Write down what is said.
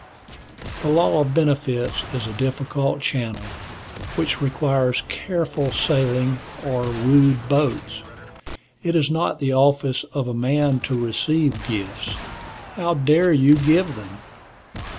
The law of benefits is a difficult channel, which requires careful sailing, or rude boats. It is not the office of a man to receive gifts. How dare you give them?